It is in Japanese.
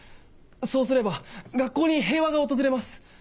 そうすれば学校に平和が訪れます。